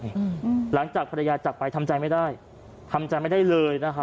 อืมหลังจากภรรยาจักรไปทำใจไม่ได้ทำใจไม่ได้เลยนะคะ